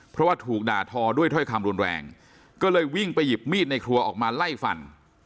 เพราะว่าถูกด่าทอด้วยถ้อยคำรุนแรงก็เลยวิ่งไปหยิบมีดในครัวออกมาไล่ฟัน